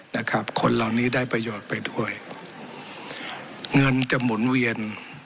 นะครับคนเหล่านี้ได้ประโยชน์ไปด้วยเงินจะหมุนเวียน